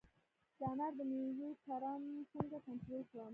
د انارو د میوې کرم څنګه کنټرول کړم؟